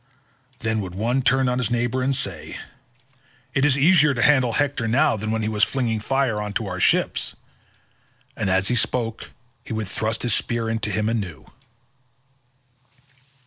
Then would one turn to his neighbour and say, "It is easier to handle Hector now than when he was flinging fire on to our ships"—and as he spoke he would thrust his spear into him anew.